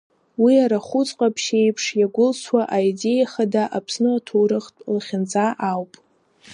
Уи арахәыц ҟаԥшь еиԥш иагәылсуа аидеиа хада Аԥсны аҭоурыхтә лахьынҵа ауп.